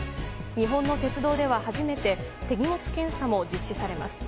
日本の鉄道では初めて手荷物検査も実施されます。